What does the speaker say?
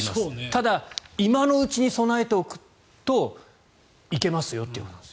ただ、今のうちに備えておくと行けますよという。